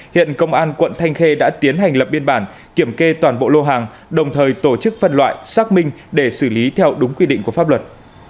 hiện công an quận thanh khê đã tiến hành lập biên bản kiểm kê toàn bộ lô hàng đồng thời tổ chức phân loại xác minh để xử lý theo đúng quy định của pháp luật